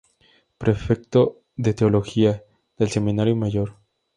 Prefecto de Teología, del Seminario Mayor.